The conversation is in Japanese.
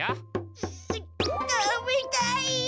食べたい！